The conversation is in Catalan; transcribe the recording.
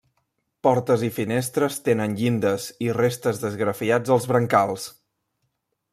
Portes i finestres tenen llindes i restes d'esgrafiats als brancals.